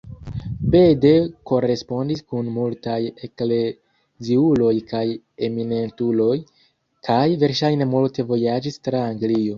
Bede korespondis kun multaj ekleziuloj kaj eminentuloj, kaj verŝajne multe vojaĝis tra Anglio.